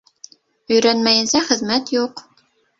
Өйрәнмәйенсә хеҙмәт юҡ